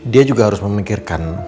dia juga harus memikirkan